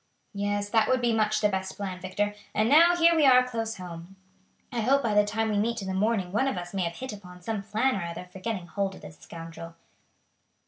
"Yes, that would be much the best plan, Victor. And now here we are close home. I hope by the time we meet in the morning one of us may have hit upon some plan or other for getting hold of this scoundrel."